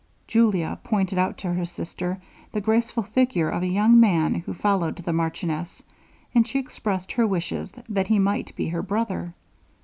Julia pointed out to her sister, the graceful figure of a young man who followed the marchioness, and she expressed her wishes that he might be her brother.